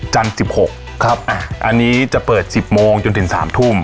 จนสิบหกครับอันนี้จะเปิดสิบโมงจนถึงสามทุ่ม